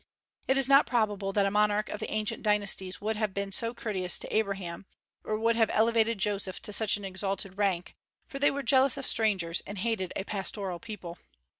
It is not probable that a monarch of the ancient dynasties would have been so courteous to Abraham, or would have elevated Joseph to such an exalted rank, for they were jealous of strangers, and hated a pastoral people.